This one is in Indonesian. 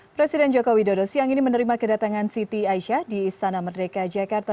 presiden jokowi dodo siang ini menerima kedatangan siti aisyah di istana merdeka jakarta